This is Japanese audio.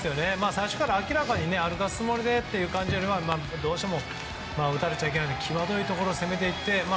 最初から明らかに歩かせるつもりでというのはどうしても打たせちゃいけないときわどいところを攻めていって。